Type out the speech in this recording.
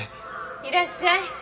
いらっしゃい。